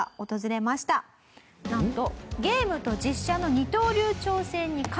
なんと。